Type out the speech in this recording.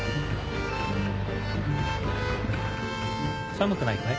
寒くないかい？